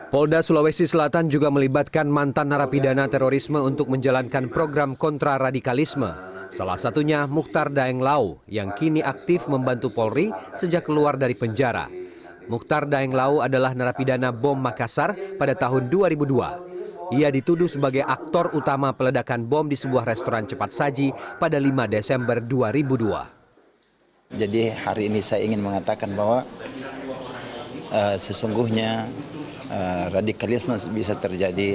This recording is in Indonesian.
pihak kepolisian juga mengajak masyarakat berperan aktif dengan cepat melapor jika ada yang mencurigakan masalah radikalisme